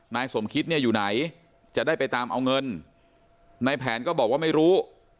นายสมคิดเนี่ยอยู่ไหนจะได้ไปตามเอาเงินในแผนก็บอกว่าไม่รู้